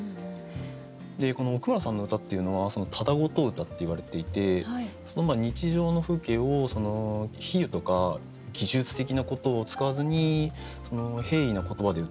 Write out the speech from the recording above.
でこの奥村さんの歌っていうのは「ただごと歌」っていわれていて日常の風景を比喩とか技術的なことを使わずに平易な言葉でうたう。